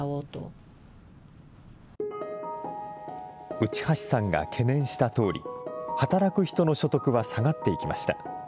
内橋さんが懸念したとおり、働く人の所得は下がっていきました。